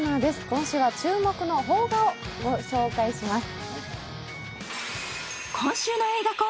今週は注目の邦画を御紹介します。